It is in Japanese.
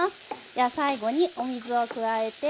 では最後にお水を加えて。